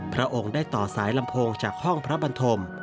พระองค์ได้ต่อสายลำโพงจากห้องพระบรรธม